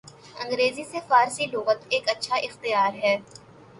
انگریزی سے فارسی لغت ایک اچھا اختیار ہے